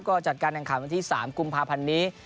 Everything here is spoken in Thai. ก็จัดการแข่งขันวันที่๓กุมภาพันธ์นี้